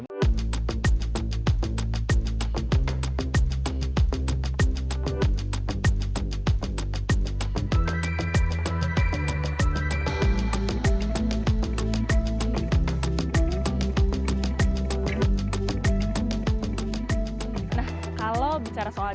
nah kalau bicara soal